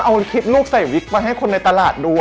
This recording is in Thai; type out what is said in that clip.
เอาคลิปลูกใส่วิกไว้ให้คนในตลาดดู